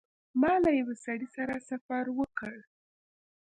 ما له یوه سړي سره سفر وکړ.